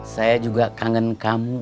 saya juga kangen mengambil